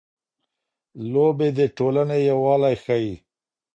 لوبې د ټولنې یووالی ښيي.